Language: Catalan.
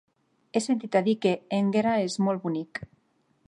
He sentit a dir que Énguera és molt bonic.